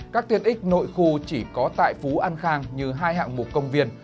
các tiện ích nội khu chỉ có tại phú an khang như hai hạng mục công viên